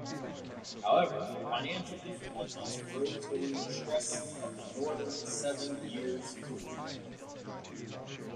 However, financial difficulties arose during the stress of the Northern Seven Years' War.